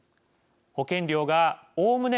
保険料が、おおむね